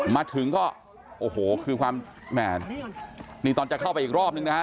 มาถึงก็โอ้โหคือความแหม่นี่ตอนจะเข้าไปอีกรอบนึงนะฮะ